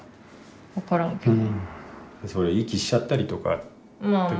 分からんけど。